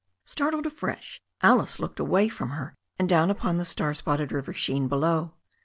Startled afresh, Alice looked away from her and down upon the star spotted river sheen below.